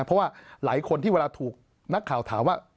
เพราะว่าหลายคนที่เวลาถูกนักข่าวถามว่า